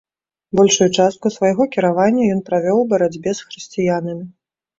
Большую частку свайго кіравання ён правёў у барацьбе з хрысціянамі.